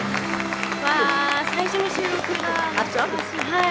はい。